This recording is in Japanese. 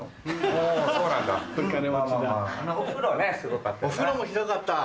お風呂ねすごかったよな。